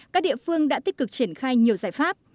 các địa phương đã tích cực triển khai nhiều giải pháp